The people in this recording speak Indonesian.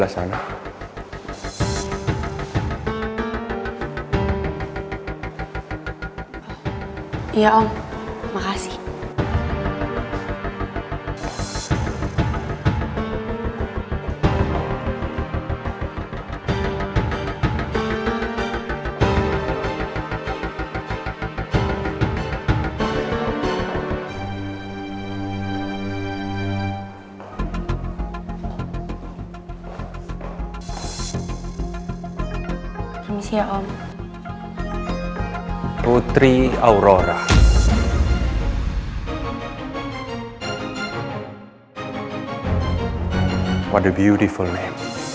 namanya yang indah